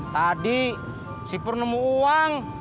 tadi si pur nemu uang